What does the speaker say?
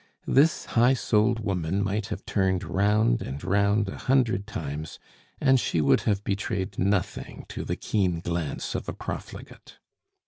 This high souled woman might have turned round and round a hundred times, and she would have betrayed nothing to the keen glance of a profligate.